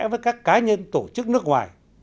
với các cá nhân tổ chức nước ngoài